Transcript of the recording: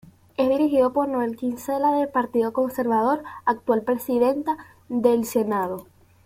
Es dirigido por Noël Kinsella, del Partido Conservador, actual presidenta del Senado.